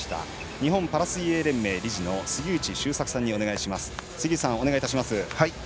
日本パラ水泳理事の杉内周作さんにお願いします。